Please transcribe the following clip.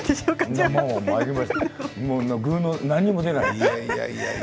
何も出ない。